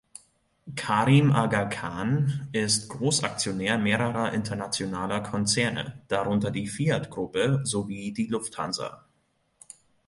Karim Aga Khan ist Großaktionär mehrerer internationaler Konzerne, darunter die Fiat-Gruppe sowie die Lufthansa.